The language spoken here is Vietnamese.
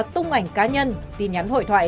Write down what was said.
tung ảnh cá nhân tin nhắn hội thoại